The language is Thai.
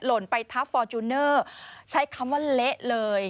ล่นไปทับฟอร์จูเนอร์ใช้คำว่าเละเลย